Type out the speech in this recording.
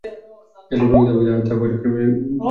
যার জন্য প্রকৃত অপরাধীরা পার পেয়ে যাবেন বলেও মনে করছেন অনেকে।